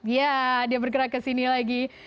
ya dia bergerak ke sini lagi